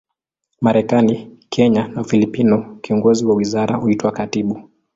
Marekani, Kenya na Ufilipino, kiongozi wa wizara huitwa katibu.